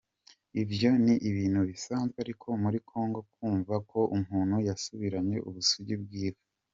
Ivyo ni ibintu bisanzwe ariko muri Congo kwumva ko umuntu yasubiranye ubusugi bwiwe.